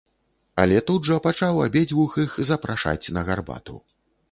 Але тут жа пачаў абедзвюх іх запрашаць на гарбату.